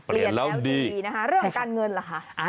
เปลี่ยนแล้วดีเรื่องการเงินล่ะค่ะ